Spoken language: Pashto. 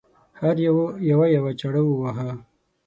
هر یوه یوه یوه چاړه وواهه.